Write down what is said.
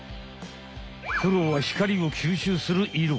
黒は光を吸収するいろ。